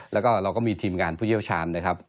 แล้วก็เราก็มีทีมงานผู้เชี่ยวชาญนะครับ